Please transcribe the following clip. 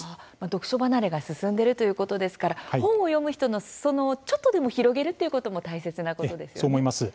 読書離れが進んでいるということですから本を読む人のすそ野をちょっとでも広げるっていうことも大切なことですよね。